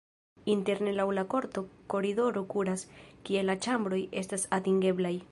Interne laŭ la korto koridoro kuras, kie la ĉambroj estas atingeblaj.